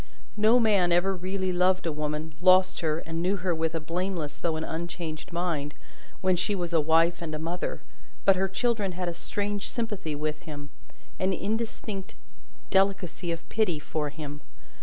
No man ever really loved a woman, lost her, and knew her with a blameless though an unchanged mind, when she was a wife and a mother, but her children had a strange sympathy with him an instinctive delicacy of pity for him.